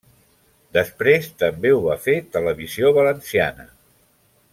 Després també ho va fer Televisió Valenciana.